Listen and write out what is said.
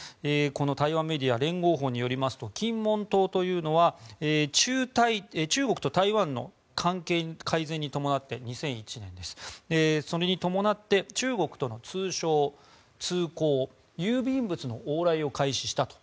台湾メディア連合報によりますと金門島というのは中国と台湾の関係改善に伴って２００１年、それに伴って中国との通商、通航郵便物の往来を開始したと。